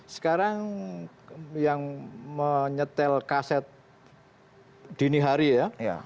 sekarang yang menyetel kaset dini hari ya